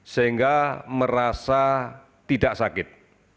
sehingga merasa tidak sakit